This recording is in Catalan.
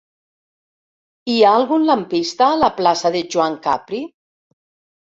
Hi ha algun lampista a la plaça de Joan Capri?